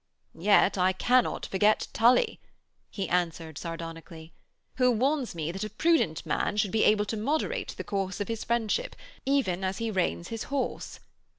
'Yet I cannot forget Tully,' he answered sardonically, 'who warns me that a prudent man should be able to moderate the course of his friendship, even as he reins his horse.